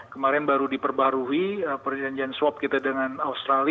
kemarin baru diperbarui perjanjian swab kita dengan australia